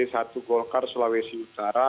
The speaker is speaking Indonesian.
i golkar sulawesi utara